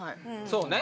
「そうね」。